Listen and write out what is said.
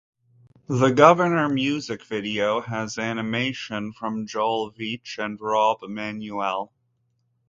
"The Governor" music video has animation from Joel Veitch and Rob Manuel.